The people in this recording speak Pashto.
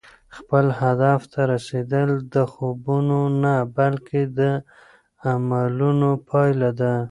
خپل هدف ته رسېدل د خوبونو نه، بلکې د عملونو پایله ده.